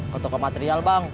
ke toko material bang